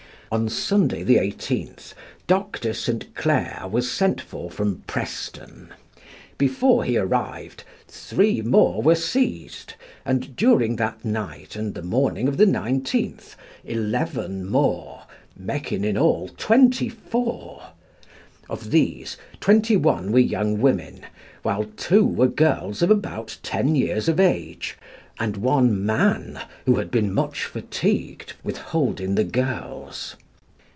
On Sunday the 18th, Dr. St. Clare was sent for from Preston; before he arrived three more were seized, and during that night and the morning of the 19th, eleven more, making in all twenty four. Of these, twenty one were young women, two were girls of about ten years of age, and one man, who had been much fatigued with holding the girls.